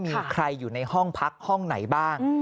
มีใครอยู่ในห้องพักห้องไหนบ้าง